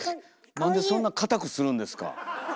なんでそんな堅くするんですか。